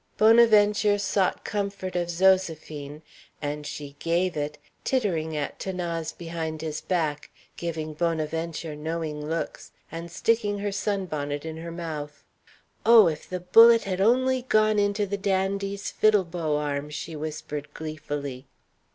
Bonaventure sought comfort of Zoséphine, and she gave it, tittering at 'Thanase behind his back, giving Bonaventure knowing looks, and sticking her sunbonnet in her mouth. "Oh, if the bullet had only gone into the dandy's fiddle bow arm!" she whispered gleefully.